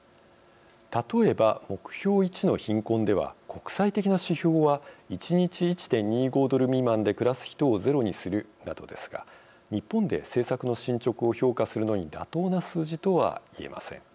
例えば、目標１の貧困では国際的な指標は１日１．２５ドル未満で暮らす人をゼロにするなどですが日本で政策の進捗を評価するのに妥当な数字とは言えません。